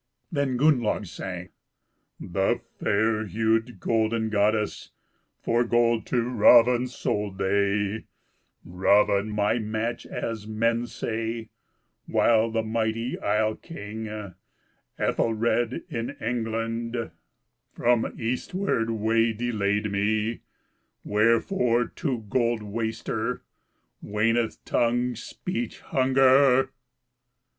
Then Gunnlaug sang, "The fair hued golden goddess For gold to Raven sold they, (Raven my match as men say) While the mighty isle king, Ethelred, in England From eastward way delayed me, Wherefore to gold waster Waneth tongue's speech hunger."